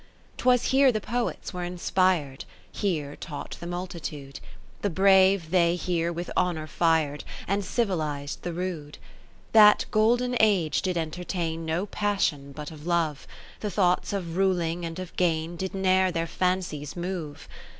'Twas here the Poets were inspir'd. Here taught the multitude ; lo The brave they here with Honour fir'd. And civiliz'd the rude, That Golden Age did entertain No passion but of Love ; The thoughts of ruling and of gain Did ne'er their fancies move.